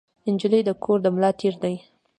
نجلۍ د کورنۍ د ملا تیر دی.